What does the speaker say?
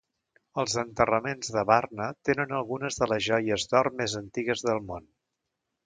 Els enterraments de Varna tenen algunes de les joies d'or més antigues del món.